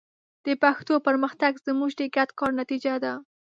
د پښتو پرمختګ زموږ د ګډ کار نتیجه ده.